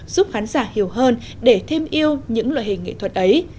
giúp khán giả hiểu hơn để thêm yêu những loại hình nghệ thuật ấy